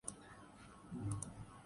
face بک اور messenger